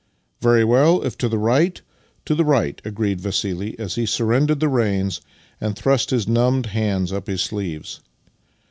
" Very well; if to the right, to the right," agreed Vassili as he surrendered the reins and thrust his numbed hands up his sleeves.